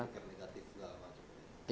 jadi negatif juga akan